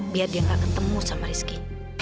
biar dia gak ketemu sama rizky